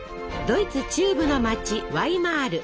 ドイツ中部の街ワイマール。